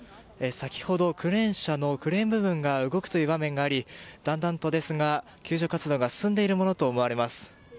先ほどクレーン車のクレーン部分が動くという場面がありだんだんとですが救助活動が進んでいるものと思われます。